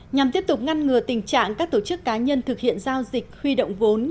nhằm tiếp tục ngăn ngừa tình trạng các tổ chức cá nhân thực hiện giao dịch huy động vốn